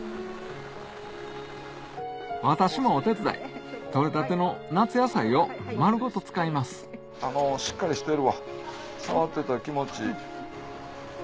私もお手伝いとれたての夏野菜を丸ごと使いますしっかりしてるわ触ってて気持ちいい。